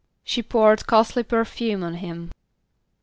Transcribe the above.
=She poured costly perfume on him.